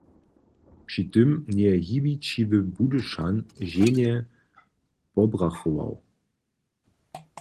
Při tym njeje hibićiwy Budyšan ženje pobrachował.